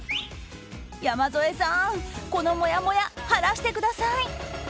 山添さん、このもやもや晴らしてください！